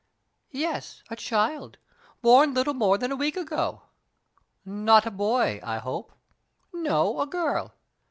"Yes; a child, born little more than a week ago." "Not a boy, I hope?" "No; a girl."